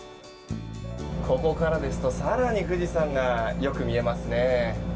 ここからですと更に富士山がよく見えますね。